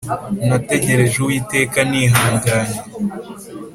Nategereje uwiteka nihanganye